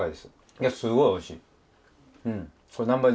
いやすごいおいしい！